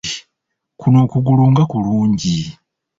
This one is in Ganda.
Kuno okugulu nga kulungi!